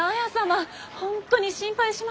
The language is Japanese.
本当に心配しましたよ。